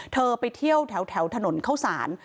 เธอไปเที่ยวแถวถนนเข้าสาร